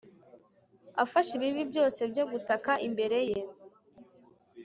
Afashe ibibi byose byo gutaka imbere ye